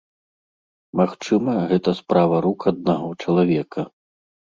Магчыма, гэта справа рук аднаго чалавека.